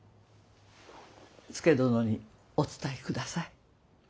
佐殿にお伝えください。